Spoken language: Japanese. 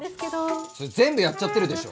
それ全部やっちゃってるでしょ。